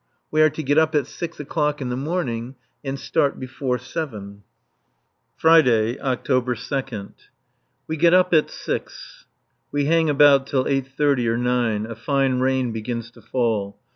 We are to get up at six o'clock in the morning and start before seven. [Friday, October 2nd.] We get up at six. We hang about till eight thirty or nine. A fine rain begins to fall.